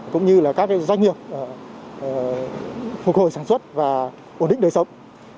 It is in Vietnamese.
cũng như là các doanh nghiệp phục hồi sản xuất và ổn định đời sống